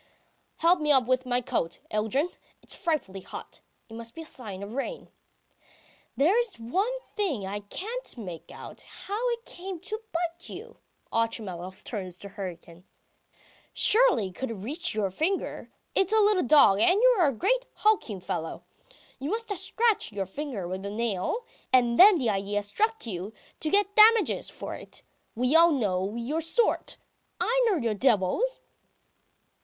... Help me off with my coat, Yeldyrin ... it's frightfully hot! It must be a sign of rain. ... There's one thing I can't make out, how it came to bite you?" Otchumyelov turns to Hryukin. "Surely it couldn't reach your finger. It's a little dog, and you are a great hulking fellow! You must have scratched your finger with a nail, and then the idea struck you to get damages for it. We all know ... your sort! I know you devils!"